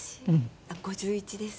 あっ５１です。